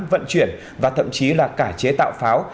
vận chuyển và thậm chí là cả chế tạo pháo